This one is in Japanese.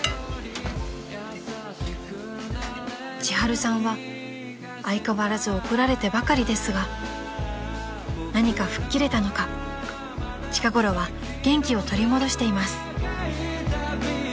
［千春さんは相変わらず怒られてばかりですが何か吹っ切れたのか近頃は元気を取り戻しています］